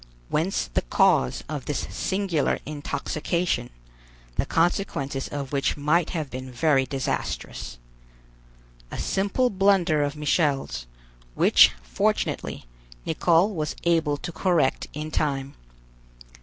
Whence the cause of this singular intoxication, the consequences of which might have been very disastrous? A simple blunder of Michel's, which, fortunately, Nicholl was able to correct in time.